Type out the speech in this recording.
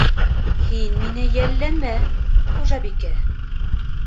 — Һин мине йәлләмә, хужабикә.